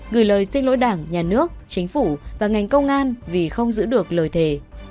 gửi lời xin lỗi đảng nhà nước chính phủ và ngành công an vì không giữ được lời thề